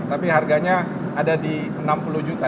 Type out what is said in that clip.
tapi harganya ada di enam puluh juta